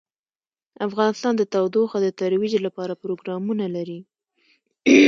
افغانستان د تودوخه د ترویج لپاره پروګرامونه لري.